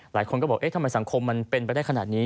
หลายคนก็บอกเอ๊ะทำไมสังคมมันเป็นไปได้ขนาดนี้